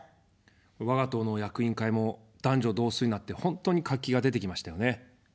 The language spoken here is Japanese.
我が党の役員会も男女同数になって本当に活気が出てきましたよね。